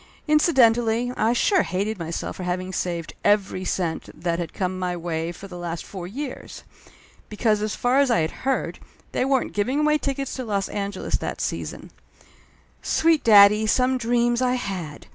Incidentally, I sure hated myself for having saved every cent that had come my way for the last four years ! Because, as far as I had heard, they weren't giving away tickets to Los An geles that season. Sweet daddy, some dreams, I had